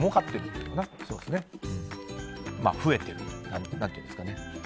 増えている何というんですかね。